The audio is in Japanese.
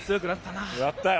なったよ。